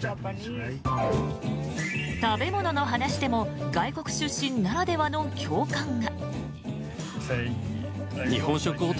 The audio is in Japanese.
食べ物の話でも外国出身ならではの共感が。